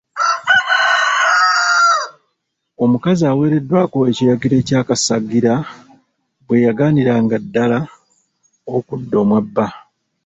Omukazi aweereddwako ekiragiro ky'akasagira bwe yagaaniranga ddala okudda omwa bba.